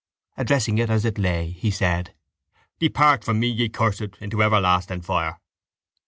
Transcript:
Addressing it as it lay, he said: —Depart from me, ye cursed, into everlasting fire!